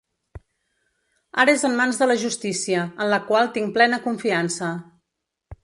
Ara és en mans de la justícia, en la qual tinc plena confiança.